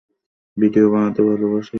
Video বানাতে ভালোবাসিস!